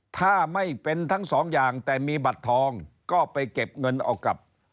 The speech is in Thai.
ถ้าไม่เป็นทั้งสองอย่างแต่มีบัตรทองก็ไปเก็บเงินเอากับ